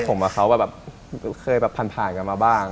ผมเขาเคยพันธุ์ผ่านกันมาบ้าง